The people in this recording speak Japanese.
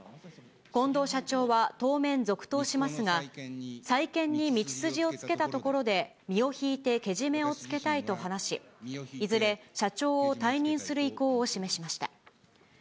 近藤社長は当面続投しますが、再建に道筋をつけたところで身を引いてけじめをつけたいと話し、いずれ社長を退任する意向を示しました。